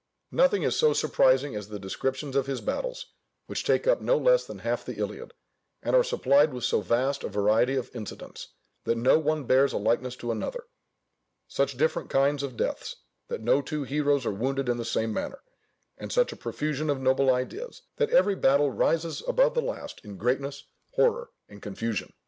Nothing is so surprising as the descriptions of his battles, which take up no less than half the Iliad, and are supplied with so vast a variety of incidents, that no one bears a likeness to another; such different kinds of deaths, that no two heroes are wounded in the same manner, and such a profusion of noble ideas, that every battle rises above the last in greatness, horror, and confusion.